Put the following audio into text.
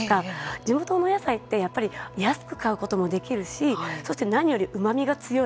地元のお野菜って安く買うこともできるしそして何よりうまみが強い。